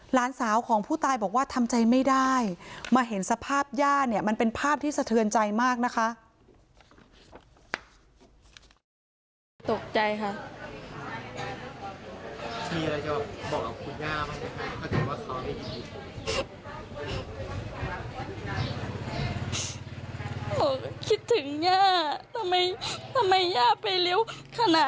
หลานสาวของผู้ตายบอกว่าทำใจไม่ได้มาเห็นสภาพย่าเนี่ยมันเป็นภาพที่สะเทือนใจมากนะคะ